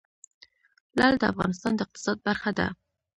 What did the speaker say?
لعل د افغانستان د اقتصاد برخه ده.